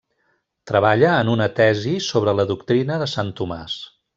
Treballa en una tesi sobre la doctrina de Sant Tomàs.